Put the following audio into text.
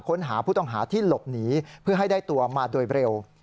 ค้นหาผู้ต้องหาที่หลบหนีเพื่อให้ได้ตัวมาโดยเร็ว